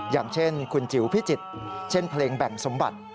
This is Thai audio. อย่างเช่นคุณจิ๋วพิจิตรเช่นเพลงแบ่งสมบัติ